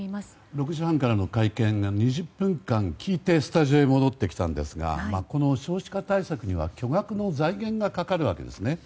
６時半からの会見２０分間聞いてスタジオに戻ってきたんですがこの少子化対策には巨額の財源がかかるわけですね。